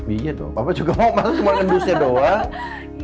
iya dong papa juga mau masak cuma ngendusnya doang